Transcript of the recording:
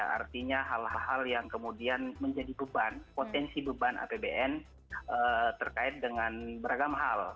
artinya hal hal yang kemudian menjadi beban potensi beban apbn terkait dengan beragam hal